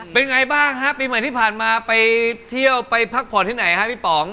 เป็นไงบ้างฮะปีใหม่ที่ผ่านมาไปเที่ยวไปพักผ่อนที่ไหนฮะพี่ป๋อง